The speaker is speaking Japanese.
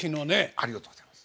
ありがとうございます。